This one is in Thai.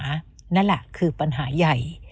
นั่นแหละคือปัญหาใหญ่